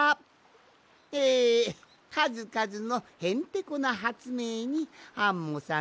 えかずかずのへんてこなはつめいにアンモさんたいへんまよいました！